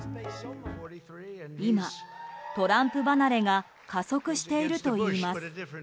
今、トランプ離れが加速しているといいます。